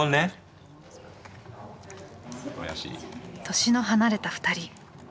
年の離れた２人。